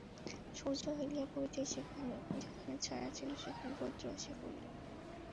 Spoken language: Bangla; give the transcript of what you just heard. সূর্য হেলিয়া পড়িতেই যেখানে ছায়া ছিল সেখানে রৌদ্র আসিয়া পড়িল।